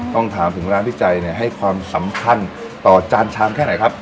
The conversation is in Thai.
ต้องถามถึงร้านพี่ใจเนี่ยให้ความสำคัญต่อจานชามแค่ไหนครับ